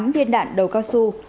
hai mươi tám viên đạn đầu cao su